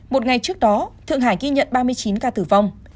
một ngày trước đó thượng hải ghi nhận ba mươi chín ca tử vong